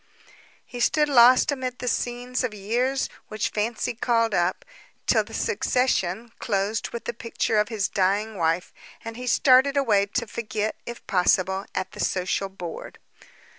He stood lost amid the scenes of years which fancy called up, till the succession closed with the picture of his dying wife, and he started away, to forget it, if possible, at the social board.